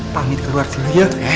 pangit keluar dulu ya